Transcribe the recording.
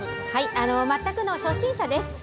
全くの初心者です。